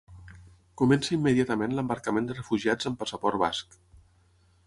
Comença immediatament l'embarcament de refugiats amb passaport basc.